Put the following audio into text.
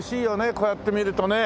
こうやって見るとね。